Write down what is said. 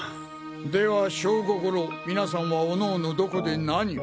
では正午頃皆さんはおのおのどこで何を？